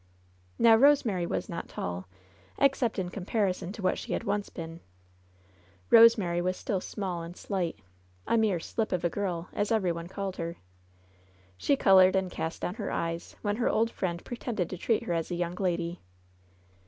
Now, Rosemary was not tall, except in comparison to what she had once been. Rosemary was still small and slight — "a mere slip of a girl," as every one called her. She colored and cast down her eyes when her old friend pretended to treat her as a young lady.